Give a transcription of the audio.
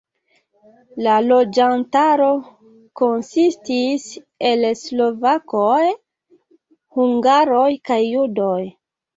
La loĝantaro konsistis el slovakoj, hungaroj kaj judoj.